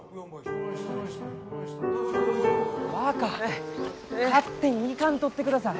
若勝手に行かんとってください！